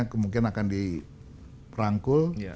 kemungkinan akan di rangkul